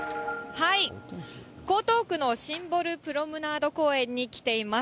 江東区のシンボルプロムナード公園に来ています。